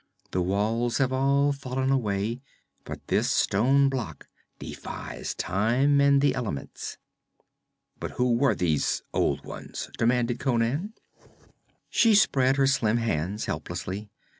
The walls have all fallen away, but this stone block defies time and the elements.' 'But who were these old ones?' demanded Conan. She spread her slim hands helplessly.